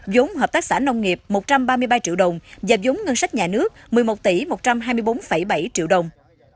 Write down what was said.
giống hợp tác xã nông nghiệp một trăm ba mươi ba triệu đồng và giống ngân sách nhà nước một mươi một tỷ một trăm hai mươi bốn bảy triệu đồng